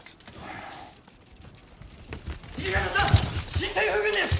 新政府軍です！